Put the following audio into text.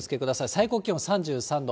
最高気温３３度。